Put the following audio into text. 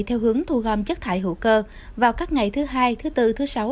theo hướng thu gom chất thải hữu cơ vào các ngày thứ hai thứ bốn thứ sáu